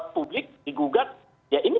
publik digugat ya ini